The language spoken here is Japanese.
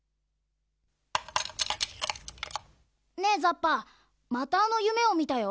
ねえザッパまたあのゆめをみたよ。